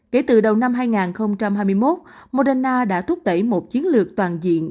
kể từ đầu năm hai nghìn hai mươi một moderna đã thúc đẩy một chiến lược toàn diện